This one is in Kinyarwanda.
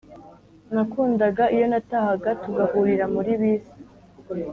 Nakundaga iyo natahaga tugahurira muri bisi